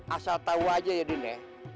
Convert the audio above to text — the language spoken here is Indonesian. asal tahu aja ya dine